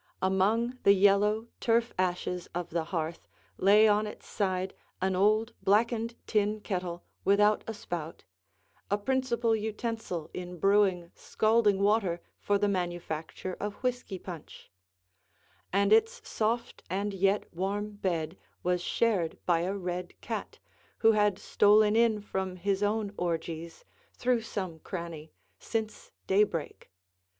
Among the yellow turf ashes of the hearth lay on its side an old blackened tin kettle, without a spout, a principal utensil in brewing scalding water for the manufacture of whisky punch; and its soft and yet warm bed was shared by a red cat, who had stolen in from his own orgies, through some cranny, since day break.